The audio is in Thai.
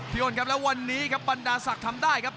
โอนครับแล้ววันนี้ครับบรรดาศักดิ์ทำได้ครับ